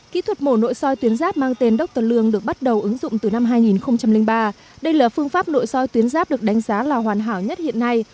kỹ thuật mổ nội soi tuyến giáp mang tên dorcton lương được bắt đầu ứng dụng từ năm hai nghìn ba đây là phương pháp nội soi tuyến giáp được đánh giá là hoàn hảo nhất hiện nay